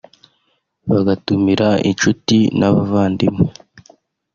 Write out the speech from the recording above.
bagatumira inshuti n’abavandimwe